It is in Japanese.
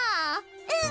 うん！